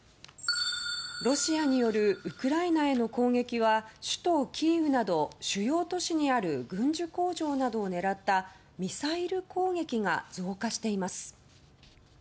ロシアによるウクライナへの攻撃は首都キーウなど主要都市にある軍需工場などを狙ったミサイル攻撃が増加しています。